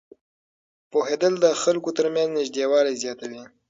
پوهېدل د خلکو ترمنځ نږدېوالی زیاتوي.